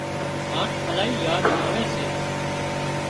هانَ الاهي ياد آوي سي